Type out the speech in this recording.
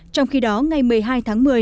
trong khi đó ngày một mươi hai tháng một mươi